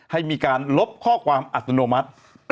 ให้มีการลบข้อความอัตโนมัติ